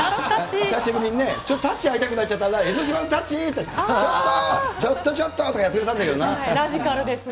久しぶりに、ちょっとタッチ会いたくなっちゃったな、江の島のタッチって、ちょっと、ちょっとちょっと！とかやってくラジカルですね。